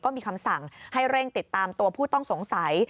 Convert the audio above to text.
มีคำสั่งให้เร่งติดตามตัวผู้ต้องสงสัย